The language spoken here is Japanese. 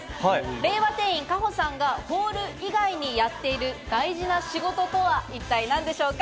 令和店員、夏帆さんがホール以外にやっている大事な仕事とは一体何でしょうか？